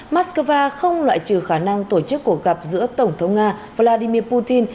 mắc cơ va không loại trừ khả năng tổ chức cuộc gặp giữa tổng thống nga vladimir putin